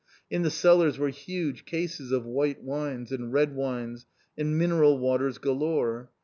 In the cellars were huge cases of white wines, and red wines, and mineral waters galore.